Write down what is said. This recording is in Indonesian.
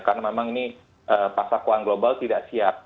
karena memang ini pasca kuang global tidak siap